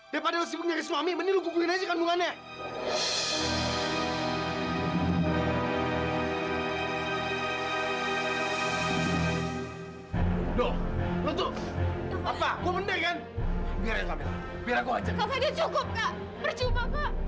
daripada lo sibuk nyari suami mending lo kukurin aja kandungannya